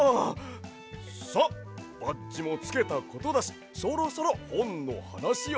さあバッジもつけたことだしそろそろほんのはなしを。